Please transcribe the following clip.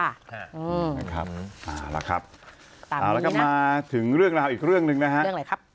อ่าแล้วก็มาถึงเรื่องราวอีกเรื่องนึงนะคะ